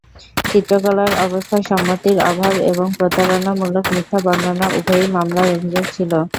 চিত্রকলার অবস্থার সম্মতির অভাব এবং প্রতারণামূলক মিথ্যা বর্ণনা উভয়ই মামলার অভিযোগ ছিল।